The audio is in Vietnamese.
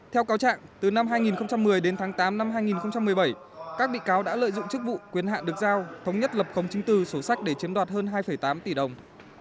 theo cáo trạng từ năm hai nghìn một mươi đến tháng tám năm hai nghìn một mươi bảy các bị cáo đã lợi dụng chức vụ quyền hạn được giao thống nhất lập khống chính tư số sách để chiếm đoạt hơn hai tám tỷ đồng